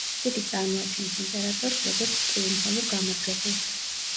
იგი წარმოაჩენს იმპერატორს, როგორც ტრიუმფალურ გამარჯვებულს.